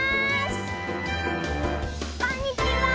こんにちは！